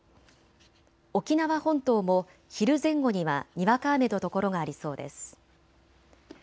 沖縄本島も昼前後にはにわか雨の所がありそうです。